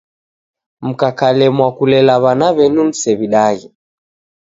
Mkakalemwa kulela w'ana w'enyu musew'idaghe.